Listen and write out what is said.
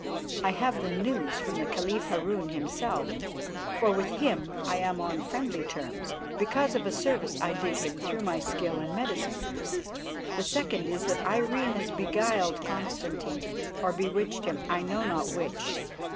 I have the news from the Caliph Harun himself, for with him I am on friendly terms because of a service I did him through my skill in medicine. The second is that Irene has beguiled Constantine, or bewitched him, I know not which.